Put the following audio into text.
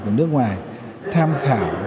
của nước ngoài tham khảo